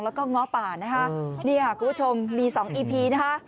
แล้วก็ง้อป่านะคะนี่ค่ะคุณผู้ชมมีสองอีพีนะคะ